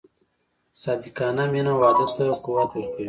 صادقانه مینه واده ته قوت ورکوي.